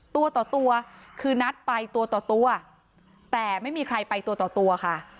ตัวต่อตัวคือนัดไปตัวต่อตัวแต่ไม่มีใครไปตัวต่อตัวค่ะ